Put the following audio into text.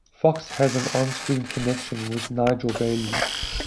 Fox has an on-screen connection with Nigel Bailey.